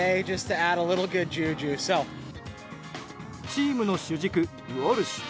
チームの主軸、ウォルシュ。